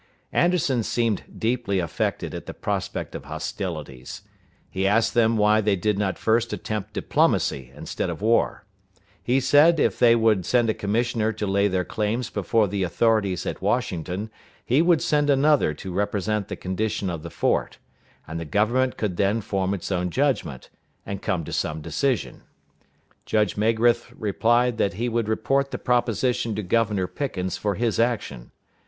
Anderson seemed deeply affected at the prospect of hostilities. He asked them why they did not first attempt diplomacy, instead of war. He said if they would send a commissioner to lay their claims before the authorities at Washington, he would send another to represent the condition of the fort; and the Government could then form its own judgment, and come to some decision. Judge Magrath replied that he would report the proposition to Governor Pickens for his action.